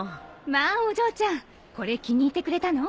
・まあお嬢ちゃんこれ気に入ってくれたの？